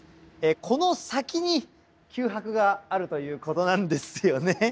この先に九博があるということなんですよね。